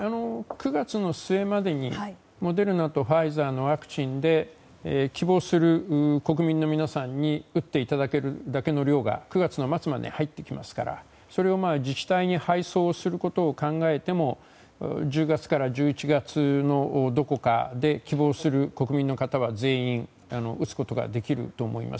９月の末までにモデルナとファイザーのワクチンで希望する国民の皆さんに打っていただけるだけの量が９月の末までに入ってきますからそれを自治体に配送することを考えても１０月から１１月のどこかで希望する国民の方は全員打つことができると思います。